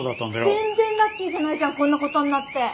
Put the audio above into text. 全然ラッキーじゃないじゃんこんなことになって。